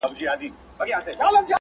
نه پوهېږي چي چاره پوري حيران دي!!